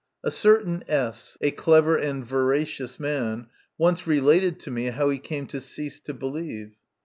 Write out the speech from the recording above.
A certain S , a clever and veracious man, once related to me how he came to cease to believe.